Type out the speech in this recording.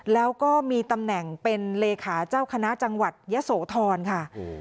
แล้วก็มีตำแหน่งเป็นเลขาเจ้าคณะจังหวัดยะโสธรค่ะ